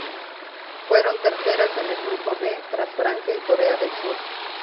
Fueron terceras en el grupo B, tras Francia y Corea del Sur.